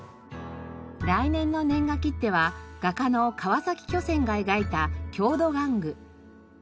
来年の年賀切手は画家の川崎巨泉が描いた郷土玩具。